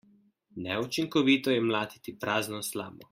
Neučinkovito je mlatiti prazno slamo.